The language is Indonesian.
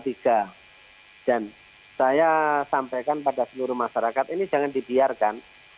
dan saya sampaikan pada seluruh masyarakat ini jangan dibiarkan